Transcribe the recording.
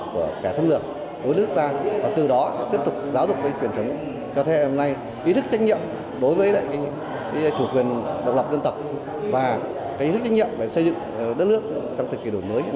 và ý thức trách nhiệm về xây dựng đất nước trong thời kỳ đổi mới như thế này